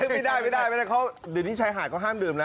ไม่ได้เดี๋ยวนี้ชายหาดก็ห้ามดื่มนะ